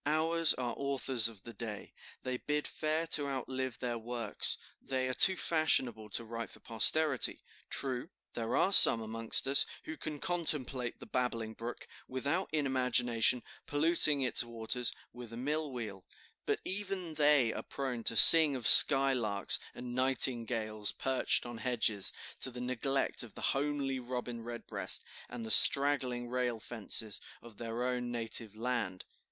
Ours are authors of the day, they bid fair to outlive their works; they are too fashionable to write for posterity. True, there are some amongst us, who can contemplate the babbling brook, without, in imagination, polluting its waters with a mill wheel; but even they are prone to sing of skylarks and nightingales perched on hedges, to the neglect of the homely robin redbreast and the straggling rail fences of their own native land."